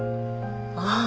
ああ。